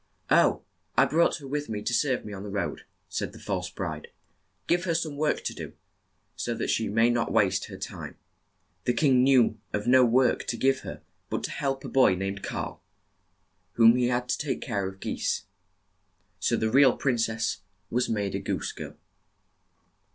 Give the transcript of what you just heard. "Oh! I brought her with me to serve me on the road," said the false bride. "Give her some work to do, so that she may not waste her time." The king knew of no work to give her but to help a boy named Karl, whom he had to take care of geese. So the real prin cess was made a goose girl.